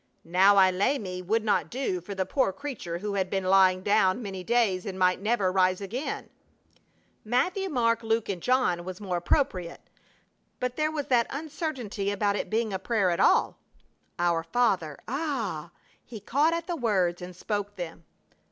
"Now I lay me" would not do for the poor creature who had been lying down many days and might never rise again; "Matthew, Mark, Luke, and John" was more appropriate, but there was that uncertainty about it being a prayer at all. "Our Father" Ah! He caught at the words and spoke them.